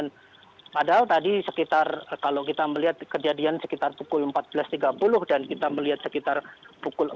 dan padahal tadi sekitar kalau kita melihat kejadian sekitar pukul empat belas tiga puluh dan kita melihat sekitar pukul empat belas